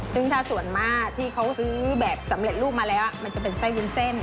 ซึ่งถ้าส่วนมากที่เขาซื้อแบบสำเร็จรูปมาแล้วมันจะเป็นไส้วุ้นเส้น